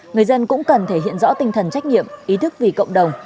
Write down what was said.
người dân cũng cần thể hiện rõ tinh thần trách nhiệm ý thức vì cộng đồng